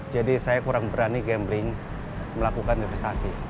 jadi saya kurang berani gambling melakukan investasi